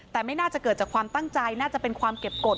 แต่ไม่น่าจะเกิดจากความตั้งใจน่าจะเป็นความเก็บกฎ